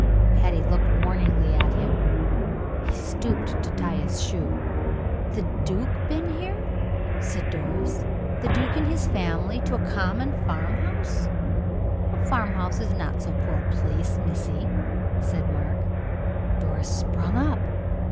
Patty looked warningly at him. He stooped to tie his shoe. "The duke been here!" said Doris. "The duke and his family to a common farm house!" "A farm house is not so poor a place, missey," said Mark. Doris sprung up.